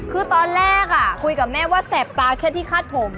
คือตอนแรกคุยกับแม่ว่าแสบตาแค่ที่คาดผม